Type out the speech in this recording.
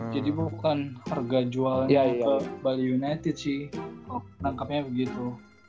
jadi bukan harga jualnya ke bali united sih kalo nangkepnya begitu